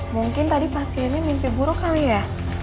mungkin tadi pasiennya mimpi buruk kali ya